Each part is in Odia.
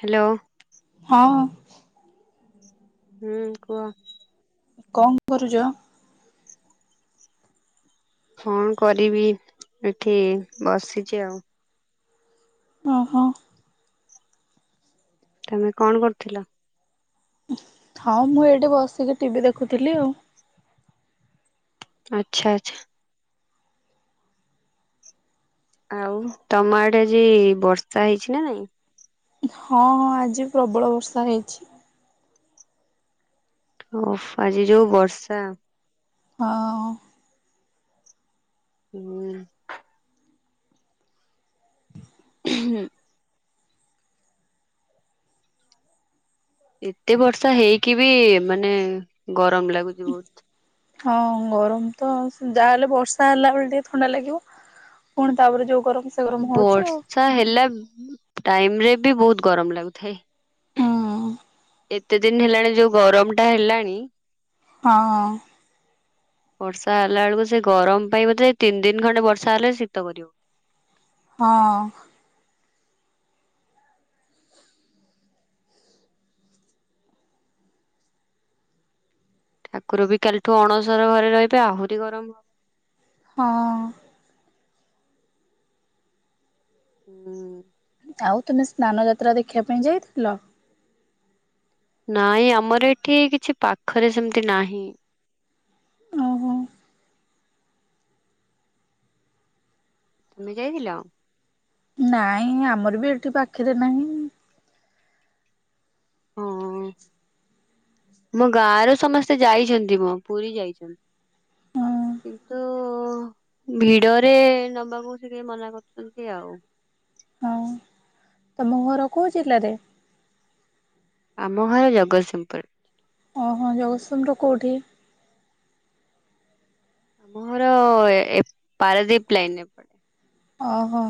ହାଲୋ। ହଁ। ହୁଁ କୁହ? କଣ କରୁଚ? କଣ କରିବି ଏଠି ବସିଚି ଆଉ। ଓହୋ। ତମେ କଣ କରୁଥିଲ? ଉଁ ହଁ ମୁଁ ଏଇଠି ବସିକି ଟିଭିି ଦେଖୁଥିଲି ଆଉ। ଆଛା ଆଛା। ଆଉ ତମ ଆଡ଼େ ଆଜି ବର୍ଷା ହେଇଚି ନା ନାଇଁ? ହଁ ହଁ ଆଜି ପ୍ରବଳ ବର୍ଷା ହେଇଛି। ଓଫ୍ ଆଜି ଯୋଉ ବର୍ଷା। ଆଉ। ହୁଁ। ହୁଁ। ଏତେ ବର୍ଷା ହେଇକି ବି ମାନେ ଗରମ ଲାଗୁଚି ବହୁତ। ହଁ ଗରମ ତ ଯାହାହେଲେ ବର୍ଷା ହେଲା ବେଳେ ଟିକେ ଥଣ୍ଡା ଲାଗିବ। ପୁଣି ତାପରେ ଯୋଉ ଗରମ୍ ବର୍ଷା ହେଲା ଟାଇମ ରେ ବି ବହୁତ ଗରମ ଲାଗୁଥାଏ। ହୁଁ। ଏତେ ଦିନ ହେଲାଣି ଯୋଉ ଗରମ ଟା ହେଲାଣି। ହଁ। ବର୍ଷା ହେଲା ବେଳକୁ ସେ ଗରମ ପାଇଁ ବୋଧେ ତିନି ଦିନ ଖଣ୍ଡେ ବର୍ଷା ହେଲେ ଶୀତ କରିବ। ହଁ। ଠାକୁର ବି କାଲିଠୁ ଅଣସର ଘରେ ରହିବେ ଆହୁରି ଗରମ ହବ। ହଁ। ହୁଁ। ଆଉ ତୁମେ ସ୍ନାନ ଯାତ୍ରା ଦେଖିବା ପାଇଁ ଯାଇଥିଲ? ନାଇଁ ଆମର ଏଠି କିଛି ପାଖରେ ସେମିତି ନାହିଁ। ଓହୋ। ତୁମେ ଯାଇଥିଲ? ନାଇଁ ଆମର ବି ଏଠି ପାଖେରେ ନାହିଁ। ହଁ। ମୋ ଗାଁ ର ସମସ୍ତେ ଯାଇଛନ୍ତି ଗୋ। ପୁରୀ ଯାଇଛନ୍ତି। ହଁ। କିନ୍ତୁ ଭିଡରେ ନବାକୁ ସେ ଟିକେ ମନା କରୁଛନ୍ତି ଆଉ। ଆଉ ତମ ଘର କୋଉ ଜିଲ୍ଲାରେ? ଆମ ଘର ଜଗତସିଂହପୁର। ଓହୋ ଜଗତସିଂହପୁର କୋଉଠି? ଆମ ଘର ଏ ପାରାଦ୍ଵୀପ ଲାଇନରେ। ଅ ହ।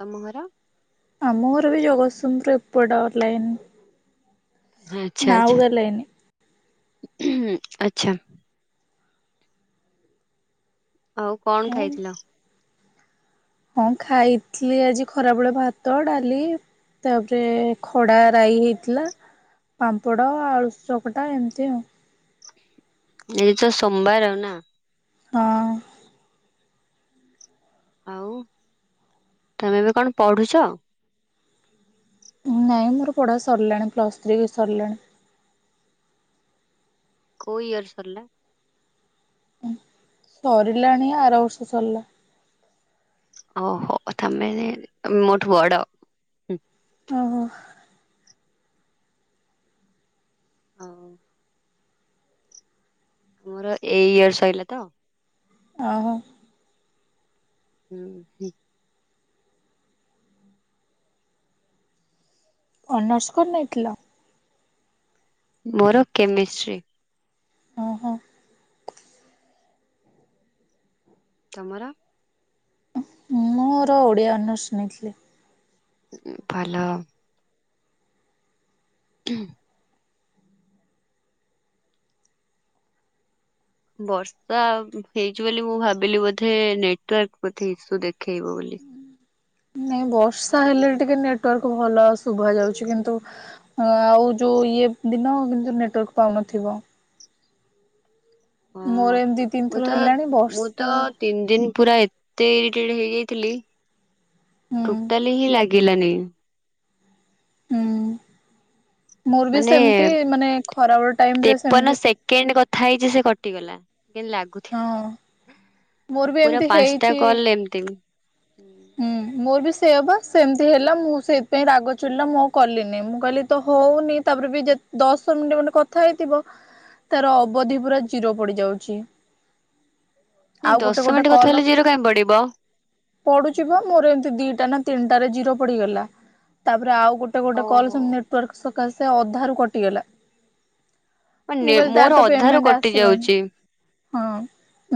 ତମ ଘର? ଆମ ଘର ବି ଜଗତସିଂପୁର ଏପଟ ଲାଇନ। ଆଚ୍ଛା ଆଚ୍ଛା ନାଉଗା ଲାଇନ୍। ଆଚ୍ଛା। ଆଉ କଣ ହଁ ଖାଇଥିଲ? ହଁ ଖାଇଥିଲି ଆଜି ଖରାବେଳେ ଭାତ, ଡାଲି ତାପରେ ଖଡା ରାଇ ହେଇଥିଲା। ପାମ୍ପଡ, ଆଳୁ ଚକଟା ଏମିତି ଆଉ। ଏଇ ତ ସୋମବାର ନା। ହଁ। ଆଉ ତମେ ଏବେ କଣ ପଢୁଚ? ନାଇଁ ମୋର ପଢା ସରିଲାଣି। ପ୍ଲସ୍ ଥ୍ରୀ ବି ସରିଲାଣି। କୋଉ ଇୟର୍ ସରିଲା? ସରିଲାଣି ଆର ବର୍ଷ ସରିଲା। ଓହୋ ତମେ ମୋଠୁ ବଡ। ଓହୋ। ଆଉ ମୋର ଏଇ ଇୟର୍ ସରିଲା ତ। ଆଉ [unintelligible] ଅନର୍ସ କଣ ନେଇଥିଲ? ମୋର କେମେଷ୍ଟ୍ରି। ଓ ହଁ। ତମର? ମୋର ଓଡିଆ ଅନର୍ସ ନେଇଥିଲି। ଭଲ। [inaudible] ବର୍ଷା ହେଇଚି ବୋଲି ମୁଁ ଭାବିଲି ବୋଧେ ନେଟୱାର୍କ ବୋଧେ ଇସୁ ଦେଖେଇବ ବୋଲି। [inaudible] ନାଇଁ ବର୍ଷା ହେଲେ ଟିକେ ନେଟୱାର୍କ ଭଲ ଶୁଭା ଯାଉଛି କିନ୍ତୁ ଆଉ ଯୋଉ ଇଏ ଦିନ କିନ୍ତୁ ନେଟୱାର୍କ ପାଉନଥିବ। ହଁ ମୋର ଏମିତି ମୁଁ ତିନିଥର ତ ହେଲାଣି ମୁଁ ବର୍ଷା ତ ତିନି ଦିନ ପୁରା ଏତେ ଇରିଟେଡ ହେଇଯାଇଥିଲି। ହୁଁ ଟୋଟାଲି ହିଁ ଲାଗିଲାନି। ହୁଁ। ମୋର ବି ମାନେ ସେମିତି ମାନେ ଖରାବେଳ ଟାଇମ ରେ ତେପନ ସେମିତି କେମତି ହଁ ଲାଗୁଥିବ। ମୋର ବି ପୁରା ଏମିତି ପାଞ୍ଚଟା ହେଇଛି କଲ ଏମତି ବି। ହୁଁ ମୋର ବି ସେଇଆ ପା ସେମିତି ହେଲା ମୁଁ ସେଇଥିପାଇଁ ରାଗ ଚିଢ଼ିଲା ମୁଁ ଆଉ କଲିନି। ମୁଁ କହିଲି ତ ହଉନି ତାପରେ ବି ଯେ ଦଶ ମିନିଟ ଗୋଟେ କଥା ହେଇଥିବ। ତାର ଅବଧି ପୁରା ଜିରୋ ପଡିଯାଉଚି। [inaudible] ନାଇଁ ଦଶ ମିନିଟ୍ କଥା ହେଲେ ଜିରୋ କାଇଁ ପଡିବ? ପଢୁଛି ବା ମୋର ଏମିତି ଦିଟା ନା ତିନିଟାରେ ଜିରୋ ପଡିିଗଲା ତାପରେ ଆଉ ଗୋଟେ ଗୋଟେ କଲ ଓହୋ। ସେମତି ନେଟୱାର୍କ ସକାଶେ ଅଧାରୁ କଟିଗଲା। ମୁଁ ମାନେ କହିଲି ତାର ମୋର ତ ଅଧାରୁ ପେମେଣ୍ଟ କଟି ଆସିବନି। ଯାଉଛି। ହଁ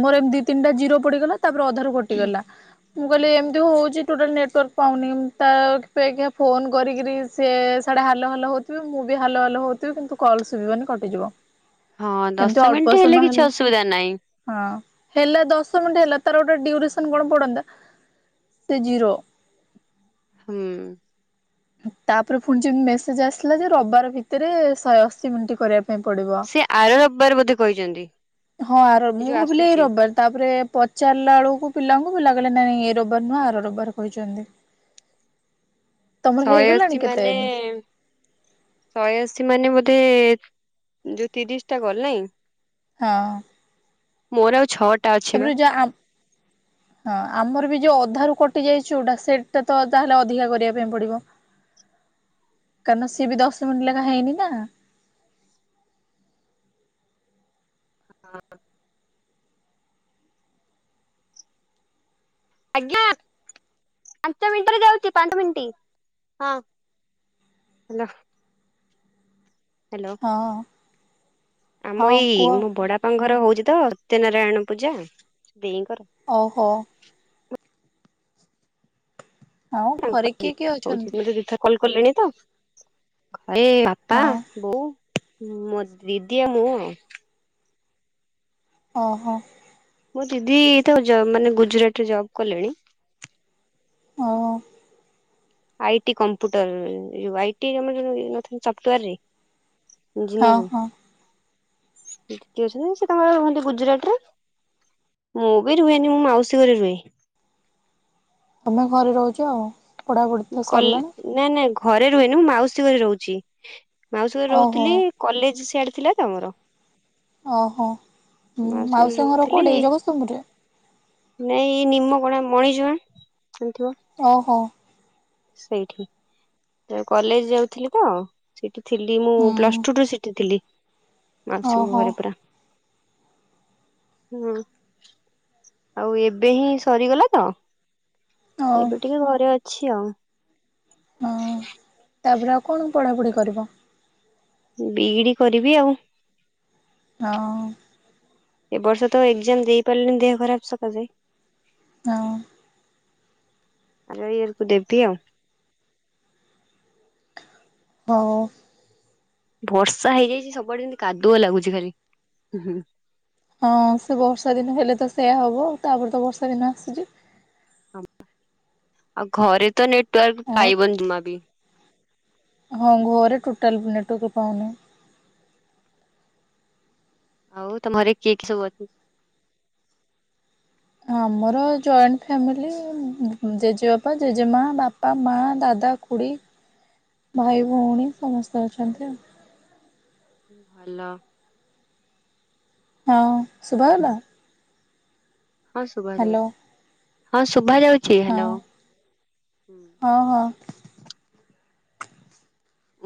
ମୋର ଏମତି ଦି ତିନିଟା ଜିର ପଡିଗଲା ତାପରେ ଅଧାରୁ କଟିଗଲା। ମୁଁ କହିଲି ଏମିତି ହଉଛି ଟୋଟାଲ ନେଟୱାର୍କ ପାଉନି ତା ଅପେକ୍ଷା ଫୋନ କରିକିରି ସେ ସୋ ହାଲୋ ହାଲୋ ହଉଥିବେ ମୁଁ ବି ହାଲୋ ହାଲୋ ହଉଥିବି କିନ୍ତୁ କଲ ସୁବିିବନି କଟିଯିବ। ହଁ ଦଶ ଏମତି ମିନିଟ୍ ଅଳ୍ପ ହେଲେ ସମୟ କିଛି ଅସୁବିଧା ନାହିଁ। ହେଲା ହଁ। ହେଲା ଦଶ ମିନିଟ ହେଲା ତାର ଗୋଟେ ଡ୍ୟୁରେସନ କଣ ପଡନ୍ତା। ସେ ଜିରୋ। ହୁଁ। ତାପରେ ପୁଣି ଯେମିତି ମେସେଜ ଆସିଲା ଯେ ରବିବାର ଭିତରେ ଶହେ ଅଶି ମିନିଟ୍ କରିବା। ପାଇଁ ପଡିବ। ସେ ଆର ରବିବାର ବୋଧେ କହିଛନ୍ତି ହଁ ଆ ଏ ମୁଁ ଯୋଉ ଭାବିଲି ଏଇ ଆସୁଛି। ରବିବାର ତାପରେ ପଚାରିଲା ବେଳକୁ ପିଲାଙ୍କୁ ମନା କଲା ନାଇଁ ଏ ରୋବାର ନୁହଁ ଆର ରବିବାର କହିଛନ୍ତି। ତମର ଶହେ ହେଇଗଲାଣି ଅଶୀ କେତେ ମାନେ ଶହେ ଅଶୀ ମାନେ ମୋ ମତେ ଯୋଉ ତିରିଶ ଟା ଗଲ ନାଇଁ। ହଁ। ମୋର ଆଉ ଛଅଟ ତାପରେ ଯ ଆମ ହଁ ଆମର ବି ଯୋଉ ଅଧାରୁ କଟି ଯାଇଛିଉଟା ସେଇଟା ତ ତାହେଲେ ଅଧିକା କରିବା ପାଇଁ ପଡିବ। [inaudible] କାରଣ ସିଏ ବି ଦଶ ମିନିଟ ଲଗା ହେଇନି ନା। ହଁ। ଆଜ୍ଞା ପାଞ୍ଚ ମିିନିଟରେ ଯାଉଛି ପାଞ୍ଚ ମିିନିଟ ହଁ। ହେଲୋ। ହଁ। ଆମ ହଁ ଏଇ କୁହ ମୋ ବଡାପା ଘର ହଉଛି ତ ସତ୍ୟ ନାରାୟଣ ପୂଜା। ଦେଇ ଘର। ଓହୋ। ହଁ ଘରେ ତାଙ୍କରି କିଏ କିଏ ହଉଛି ଅଛନ୍ତି ଦେଖା କଲ। କଲେଣି ତ ଏ ବାପା ହଁ ବୋଉ। ହୁଁ ମୋ ଦିଦି ଆଉ ମୁଁ ଆଉ। ଓହଁ। ମୋ ଦିଦି ତ ଯ ମାନେ ଗୁଜୁରାଟରେ ଜବ କଲେଣି। ହଉ ଆଉ। ଆଇଟି କମ୍ପ୍ୟୁଟର ଟି ସପ୍ଟୱେର ରେ। ଝିଲ। ହଁ ହଁ। ଏ ଅଛନ୍ତି ସେ ତାଙ୍କର ରୁହନ୍ତି ଗୁଜୁରାଟରେ। ମୁଁ ବି ରୁହେନି ମୁଁ ମାଉସୀ ଘରେ ରୁହେ। ତମେ ଘରେ ରହୁଛ ଆଉ। ପଢ଼ାପଢ଼ି ମୁଁ ତ କଲେ ସରିଲାଣି ନାଇଁ ନାଇଁ। ଘରେ ରୁହେନି ମୁଁ ମାଉସୀ ଘ ରହୁଛି ମାଉସୀ ଘ ଓହୋ ରହୁଥିଲି କଲେଜ ସଆଡେ ଥିଲା ତମର। ଓହଁ ଘରେ ମାଉସୀ ଘର ରହୁଥିଲି କୋଉଠି ଜଗତସିଂହପୁରରେ। ନାଇଁ ନିମପଡା ମୈଯ ଅ ହଁ। ସେଇଠି ତ କଲେଜ ଯାଉଥିଲି ତ ସେ ଥିଲି ମୁଁ ପ୍ଲସ ହୁଁ ଟୁ ଠୁ ସେଠିଥିଲି। ମାଉସିଙ୍କ ଘରେ ପୁରା। ହ [inaudible] ହୁଁ ଆଉ ଏବେ ହିଁ ସରିଗଲା ତ। ଓ ଏବେ ଟିକେ ଘରେ ଅଛି ଆଉ। ହଁ ତାପରେ ଆଉ କଣ ପଢ଼ାପୁଢ଼ି କରିବ? ବି ଇ ଡି କରିବି ଆଉ। ହଁ। ଏବର୍ଷ ତ ଏଗଜାମ୍ ଦେଇ ପାରିଲିନି ଦେହ ଖରାପ୍ ସକାସେ। ହଁ। ଆର ୟିୟର କୁ ଦେବି ଆଉ। ହଁ। ବର୍ଷା ହେଇଯାଇଚି ସବୁଆଡେ ଯେମିତି କାଦୁଅ ଲାଗୁଛି ଖାଲି ହୁଁ। ହଁ ସେ ବର୍ଷା ଦିନ ହେଲେ ତ ସେଇୟା ହବ ତାପରେ ତ ବର୍ଷା ଦିନ ଆସୁଚି। ଆଉ ଘରେ ତ ନେଟୱାର୍କ ଆଉ ପାଇବନି ଜମା ବି। ହଁ ଘରେ ଟୋଟାଲ ନେଟୱର୍କ ପାଉନି। ଆଉ ତମଘରେ କିଏ କିଏ ସବୁ ଅଛ? ଆମର ଜଏଣ୍ଟ ଫ୍ୟାମିଲି ଜେଜେବାପା, ଜେଜେମା, ବାପା, ମା ଦାଦା। ଦା ଖୁଡି, ଭାଇ, ଭଉଣୀ ସମସ୍ତେ ଅଛନ୍ତି ଆଉ। ଭଲ। ହଁ ଶୁଭାଗଲା? ହଁ ଶୁଭା ହ୍ୟାଲୋ ଯାଉଛି ହଁ ଶୁଭା ଯାଉଛି ହଁ ହାଲୋ ହୁଁ। ହଁ ହଁ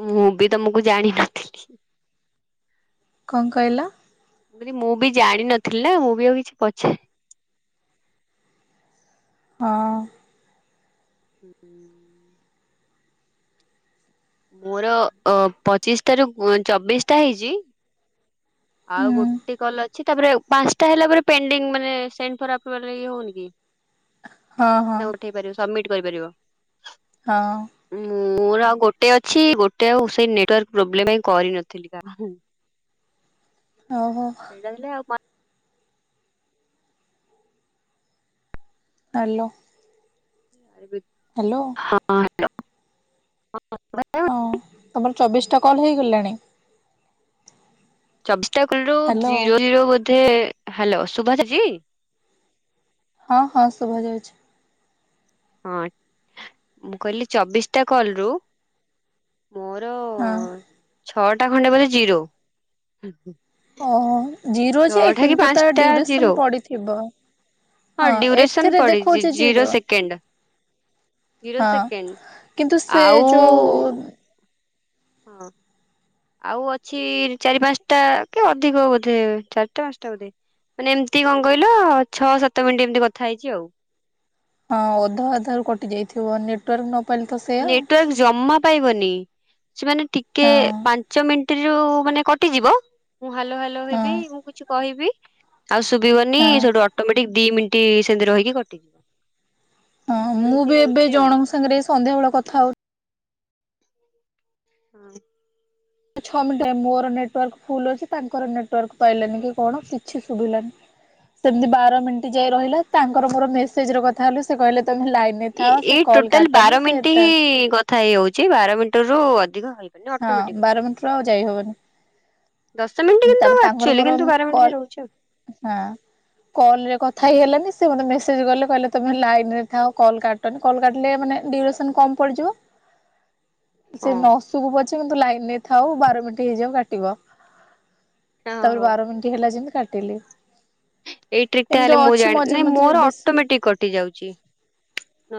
ମୁଁ ବି ତମକୁ ଜାଣିନଥିଲି। କଣ କଇଲ? ମୁଁ କହିଲି ମୁଁ ବି ଜାଣିନଥିଲି ନା ମୁଁ ବି ଆଉ କିଛି ପଚାରି। ହଁ। ହୁଁ। ମୋର ଅ ପଚିଶି ଟାରୁ ଚବିଶ୍ ଟା ହେଇଚି। ଆଉ ହୁଁ ଗୋଟେ କଲ୍ ଅଛି ତାପରେ ପାନସ୍ ଟା ହେଲା ପରେ ପେଣ୍ଡିଙ୍ଗ ମାନେ ସେଣ୍ଡ ଫର ଅପ୍ରୁଭାଲ ହେଇକି ହଉନି କି? ହଁ ହଁ। ସମିଟ୍ କରିପାରିବ। ହଁ। ମୋର ଆଉ ଗୋଟେ ଅଛି ଗୋଟେ ଆଉ ସେଇ ନେଟୱାର୍କ ପ୍ରୋବ୍ଲେମ ପାଇଁ କରିନଥିଲି ପା ହୁଁ। [inaudible] ଓହୋ। ହେଲେ ଆଉ ହାଲୋ। [inaudible] ହାଲୋ। ଲ ହଁ। ହଁ ତମର ଚବିଶ୍ ଟା କଲ୍ ହେଇଗଲାଣି? ଚବିଶ୍ ଟା କଲ୍ ରୁ ହ୍ୟାଲୋ ଜିରୋ ଜିରୋ ବୋଧେ ହାଲୋ ଶୁବାଯାଉଚି? ହଁ ହଁ ଶୁଭା ଯାଉଛି। ହଁ ମୁଁ କଇଲି ଚବିଶ୍ ଟା କଲ ରୁ ମୋର ହଁ ଛଅଟା ଖଣ୍ଡେ ବୋଧେ ଜିରୋ। ଓ ହୋ ଜିରୋ ଯେ ଛଅଟା କି କିନ୍ତୁ ତାର ପାଞ୍ଚଟା ଡିଉରେସନ ଜିରୋ ପଡିଥିବ। ହଁ ଡ୍ୟୁରେସନ ଏଥିରେ ପଡିଛି ଦେଖଉଚି ଜିରୋ। ସେକେଣ୍ଡ। ଜିରୋ ହଁ ସେକେଣ୍ଡ କିନ୍ତୁ ସେ ଆଉ ଯୋଉ ହଁ। ଆଉ ଅଛି ଚାରି ପାନସ୍ ଟା କି ଅଧିକ ବୋଧେ ଚାରିଟା ପାନସ୍ ଟା ବୋଧେ। ମାନେ ଏମିତି କଣ କଇଲ ଛଅ ସାତ ମିନିଟ୍ ଏମତି କଥା ହେଇଚି ଆଉ। ହଁ ଅଧା ଅଧାରୁ କଟି ଯାଇଥିବ ନେଟୱାର୍କ ନ ପାଇଲେ ତ ସେଇଆ ନେଟୱାର୍କ ଜମା ପାଇବନି। ସେମାନେ ଟିକେ ହଁ ପାଞ୍ଚ ମିନିଟ୍ ରୁ ମାନେ କଟିଯିବ। ମୁଁ ହାଲୋ ହାଲୋ ହଁ ହେବି ମୁଁ କିଛି କହିବି। ଆଉ ଶୁବିବନି ହଁ ସେଠୁ ଅଟୋମେଟିକ୍ ଦି ମିନିଟ୍ ସେମିତି ରହିକି କଟିଯିବ। ହଁ ମୁଁ ଏମିତି ବି ଏବେ ହଉଛି ଆଉ ଜଣଙ୍କ ସାଙ୍ଗରେ ସନ୍ଧ୍ୟା ବେଳେ କଥା ହଉଛି। ହଁ। ଛଅ ମିନିଟ୍ ରେ ମୋର ନେଟୱାର୍କ ଫୁଲ୍ ଅଛି ତାଙ୍କର ନଟ୍ ୱର୍କ ପାଇଲାଣି କି କନା ସେମତି ବାର ମିନିଟ ଯାଇ ରହିଲା ତାଙ୍କର ମୋର ମେସେଜ ର କଥା ହେଲୁ ସେ କହିଲେ ତମେ ଲାଇନରେ ଥାଅ ସେ ଏଇ କଲ୍ ଟୋଟାଲ କାଟନି ବାର ସେ ମିନିଟ୍ ତା ନି କଥା ହେଇ ହୋଉଛି ତ ଠୁ ଅଧି ହଁ ବାର ମିନିଟ ରୁ ଆଉ ଯାଇ ହବନି। ଦଶ ମିନିଟ୍ କିନ୍ତୁ ତାଙ୍କର ଆକ୍ଚୁଆଲି ମୋର କିନ୍ତୁ ବାର ମିନିଟ୍ ଯାଏ କଲ ରହୁଛି ଆଉ। ହୁଁ। କଲ୍ ରେ କଥା ହେଇ ହଁ ହେଲାନି ମେସେଜ ସେ ଗଲେ କହିଲେ ତମେ ଲାଇନ୍ ରେ ଥାଅ କଲ୍ କାଟନି କଲ୍ କାଟିଲେ ମାନେ ଡିରେସନ କମ୍ ପଡ଼ିଯିବ। ସେ ନସୁବୁ ପଛେ କିନ୍ତୁ ଲାଇନ୍ ରେ ଥାଉ ବାର ମିଣ୍ଟି ହେଇଯାଉ କାଟିବ। ହଁ ତାପରେ ବାର ମିଣ୍ଟି ହେଲା ଯେମିତି କାଟିଲି। ଏଇଟ୍ରିକ ଏମିତି ହେଲେ ମୁଁ ଅଛି ଜାଣି ମଝିରେ ନାଇଁ ମଝିରେ ମୋର ବେଶୀ ଅଟମେଟିକ କଟି ଯାଉଚି।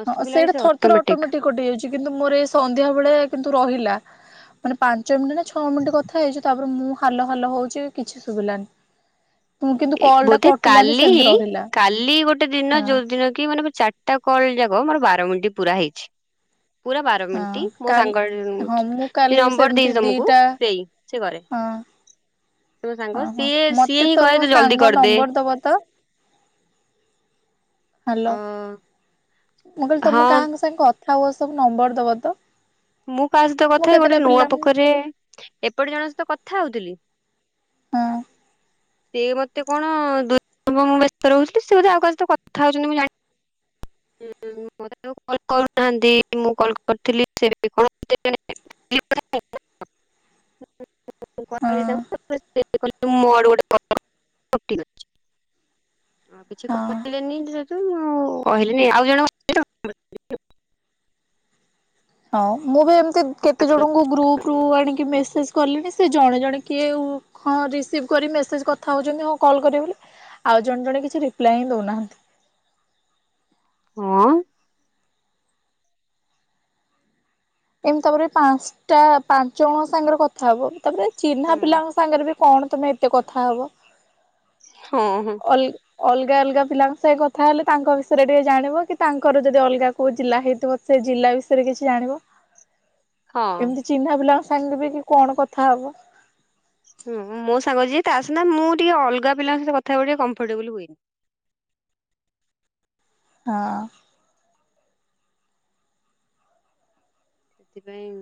ହଁ ସେଇଟା ଥରେ ଥରେ ଅଟ ମେଟିକ୍ କଟି ଯାଉଚି କିନ୍ତୁ ମୋର ଏଇ ସଂନ୍ଧ୍ୟା ବେଳେ କିନ୍ତୁ ରହିଲା ମାନେ ପାଞ୍ଚ ମିଣ୍ଟି ନା ଛଅ ମିଣ୍ଟି କଥା ହେଇଚୁ ତାପରେ ମୁଁ ହାଲ ହାଲ ହଉଚି କିଛି ସୁବିଲାନି। ଏଇ ବୋଧେ କାଲି କାଲି ଗୋଟେ ଦିନ ହଁ ଯଉଦିନ କି ମାନେ ମୋର ଚାରିଟା କଲ୍ ଯାକ ହ ମୋର ବାର ମିଣ୍ଟି ପୁରା ହେଇଚି। ପୁରା ବାର ହଁ ମିନିଟ୍ ମୋ କାଲି ସାଙ୍ଗ ହଁ ମୁଁ କାଲି ବି ନମ୍ବର ସେମିତି ଦେଇଛି ତମକୁ ଦିଟା ହଁ ସିଏ ମୋ ସାଙ୍ଗ ହଁ ହଁ ସିଏ ସିଏ ମତେ ହିଁ କହେ ତମ ତୁ ଜଲ୍ଦି ସାଙ୍ଗ କରିଦେ ନମ୍ବର ଦବ ତ ହାଲୋ ଅ ମୁଁ କହିଲି ହଁ ତମେ କହାଙ୍କ ସାଙ୍ଗେ କଥା ହୁଅ ସବୁ ନମ୍ବର ଦବ ତ? ମୁଁ କାହା ସହିତ ମୁଁ କଥା ହୁଏ ଗୋଟେ କେତେଟା ନୂଆ ପିଲାଙ୍କୁ ପୋଖରୀ ରେ ଏପଟେ ଜଣଙ୍କ ସହିତ କଥା ହଉଥିଲି ହୁଁ। ସିଏ ମତେ କଣ [unintelligible] ବେସ୍ତ ରହୁଚି ସିଏ ବୋଧେ ଆଉ କାହା ସହ କଥା ହୋଉଛନ୍ତି ମୁଁ [unintelligible] [unintelligible] [inaudible] [unintelligible] ହୋଉ ହଁ। ଠିକ୍ ଅଛି ହଁ କିଛି କହିଲେନି ଯେତଳେ ମୁଁ ଆଉ କହି ନି ଆଉ ଜଣଙ୍କ ସହିତ [unintelligible] ହଁ ମୁଁ ବି ଏମିତି କେତେ ଜଣଙ୍କୁ ଗ୍ରୁପ୍ ରୁ ଆଣିକି ମେସେଜ କଲିଣି ସେଇ ଜଣେ ଜଣେ କିଏ? ହଁ ରିସିଭ୍ କରି ମେସେଜରେ କଥା ହୋଉଛନ୍ତି ହଁ କଲ୍ କରିବେ ବୋଲି। ଆଉ ଜଣେ ଜଣେ କିଛି ରିପ୍ଲାଏ ହିଁ ଦଉନାହାନ୍ତି। ହଁ। ଏମିତି ତାପରେ ପାଞ୍ଚଟା ପାଞ୍ଚ ଜଣଙ୍କ ସାଙ୍ଗରେ କଥା ହବ ତାପରେ ଚିହ୍ନା ହଁ ପିଲାଙ୍କ ସାଙ୍ଗରେ କଣ ତମେ ଏତେ କଥା ହବ? ହଁ ହଁ। ଅଲ ଅଲଗା ଅଲଗା ପିଲାଙ୍କ ସହ କଥା ହେଲେ ତାଙ୍କ ବିଷୟରେ ଟିକେ ଜାଣିବ କି ତାଙ୍କ ଯଦି ଅଲଗା କୋଉ ଜିଲ୍ଲା ହେଇଥିବ ସେ ଜିଲ୍ଲା ବିଷୟରେ କିଛି ଜାଣିବ। ହଁ ଏମିତି ଚିହ୍ନା ପିଲାଙ୍କ ସାଙ୍ଗରେ ବି କଣ କଥା ହବ? ହୁଁ ମୋ ସାଙ୍ଗ ଯିଏ ତା ସିନା ମୁଁ ଟିକେ ଅଲଗା ପିଲାଙ୍କ ସହିତ କଥା ହେବାକୁ ଟିକେ କମ୍ପେ ଟେବୁଲ୍ ହୁଏ। ହଁ। ସେଥିପାଇଁ